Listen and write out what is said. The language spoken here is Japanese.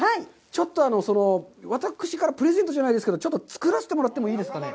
ちょっと、私からのプレゼントじゃないですけど、作らせてもらってもいいですかね。